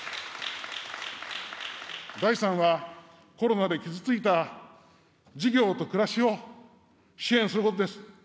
第３は、コロナで傷ついた事業と暮らしを支援することです。